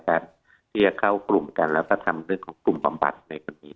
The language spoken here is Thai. การเทียบเข้ากลุ่มกันแล้วก็ทำเรื่องของกลุ่มปับบัตรในความผิด